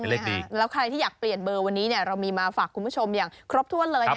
แล้วใครที่อยากเปลี่ยนเบอร์วันนี้เรามีมาฝากคุณผู้ชมอย่างครบถ้วนเลย